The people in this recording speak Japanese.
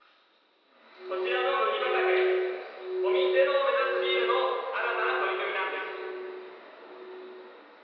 こちらの麦畑ごみゼロを目指すビールの新たな取り組みなんです。